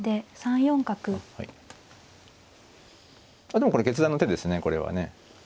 でもこれ決断の手ですねこれはね。